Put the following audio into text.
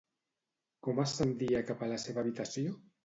Com ascendia cap a la seva habitació?